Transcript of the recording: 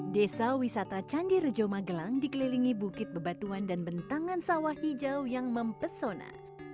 desa wisata candi rejo magelang dikelilingi bukit bebatuan dan bentangan sawah hijau yang mempesona